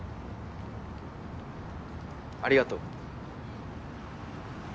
ありがとう。